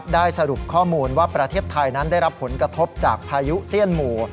ได้สรุปข้อมูลว่าประเทศไทยนั้นได้รับผลกระทบจากพายุเตี้ยนหมู่